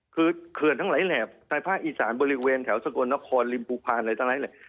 คือเกินทั้งหลายแหล่บในภาคอีสานบริเวณแถวสกลนครลิมปุภาอะไรเลย